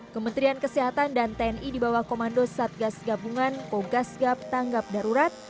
kementerian kesehatan dan tni di bawah komando satgas gabungan kogasgab tanggap darurat